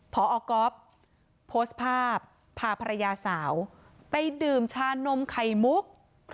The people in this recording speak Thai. พอก๊อฟโพสต์ภาพพาภรรยาสาวไปดื่มชานมไข่มุก